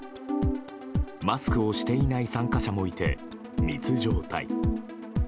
マスクをしていない参加者もいて密状態。